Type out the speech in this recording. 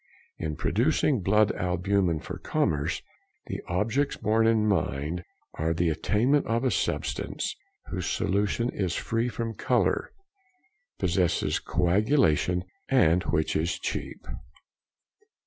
In producing blood albumen for commerce, the objects borne in mind are the attainment of a substance whose solution is free from colour, possesses coagulation, and which is cheap.